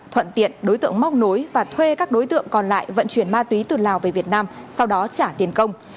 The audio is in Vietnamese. thuận tiện đối tượng móc nối và thuê các đối tượng còn lại vận chuyển ma túy từ lào về việt nam sau đó trả tiền công